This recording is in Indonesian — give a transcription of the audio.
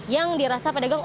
yang dirasa pada ganjil